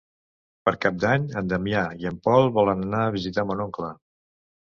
Per Cap d'Any en Damià i en Pol volen anar a visitar mon oncle.